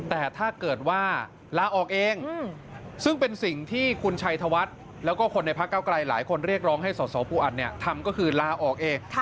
แต่ถ้าเกิดว่าลาออกเองซึ่งเป็นสิ่งที่คุณชัยธวัฒน์แล้วก็คนในพักเก้าไกลหลายคนเรียกร้องให้สสปูอัดเนี่ยทำก็คือลาออกเอง